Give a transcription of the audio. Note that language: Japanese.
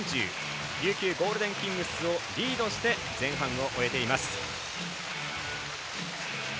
琉球ゴールデンキングスをリードして前半を終えています。